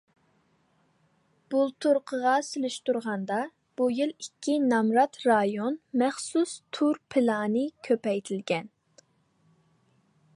بۇلتۇرقىغا سېلىشتۇرغاندا، بۇ يىل ئىككى نامرات رايون مەخسۇس تۈر پىلانى كۆپەيتىلگەن.